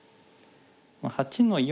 ８の四。